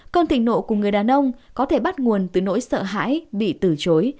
cơn thịnh nộ của người đàn ông có thể bắt nguồn từ nỗi sợ hãi bị từ chối